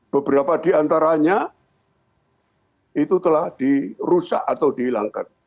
beberapa di antaranya itu telah dirusak atau dihilangkan